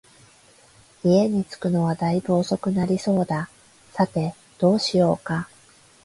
家に着くのは大分遅くなりそうだ、さて、どうしようか